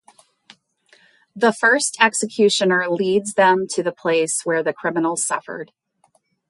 The first executioner leads them to the place where the criminal suffered.